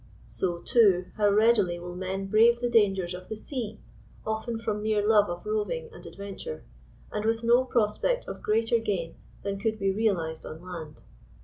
So, too, how readily will men brave the dangers of the sea, often from mere love of roving and adventure, and with no pros pect of greater gain than could be realized on land.